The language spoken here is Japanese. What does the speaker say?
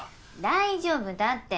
大丈夫だって。